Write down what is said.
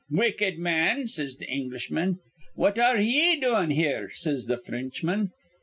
'Wicked man,' says th' Englishman. 'What ar re ye doin' here?' says the Fr rinchman.